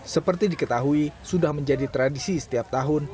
seperti diketahui sudah menjadi tradisi setiap tahun